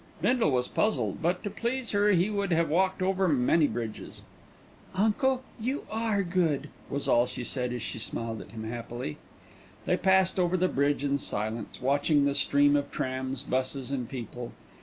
Bindle was puzzled, but to please her he would have walked over many bridges. "Uncle, you are good," was all she said as she smiled at him happily. They passed over the bridge in silence, watching the stream of trams, buses, and people.